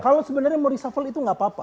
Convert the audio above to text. kalau sebenarnya mau reshuffle itu gak apa apa